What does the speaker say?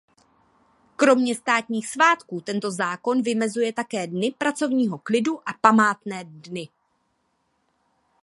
Kromě státních svátků tento zákon vymezuje také dny pracovního klidu a památné dny.